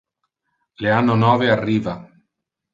Le anno nove arriva.